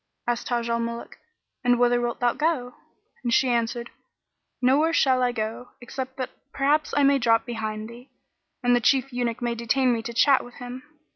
Asked Taj al Muluk, "And whither wilt thou go?"; and she answered, "Nowhere shall I go except that perhaps I may drop behind thee, and the Chief Eunuch may detain me to chat with him."